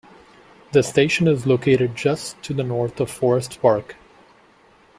This station is located just to the north of Forest Park.